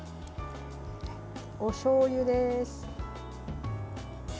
おしょうゆです。